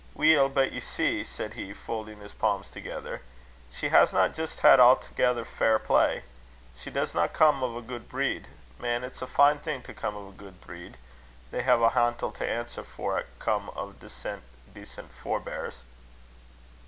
"Weel, but ye see," said he, folding his palms together, "she hasna' jist had a'thegither fair play. She does na come o' a guid breed. Man, it's a fine thing to come o' a guid breed. They hae a hantle to answer for 'at come o' decent forbears."